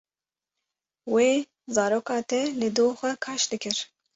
Wê zaroka te li du xwe kaş dikir.